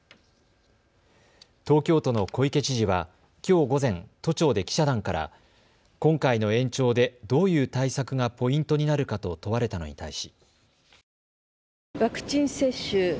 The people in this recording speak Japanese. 東京都の小池知事はきょう午前、都庁で記者団から今回の延長でどういう対策がポイントになるかと問われたのに対し。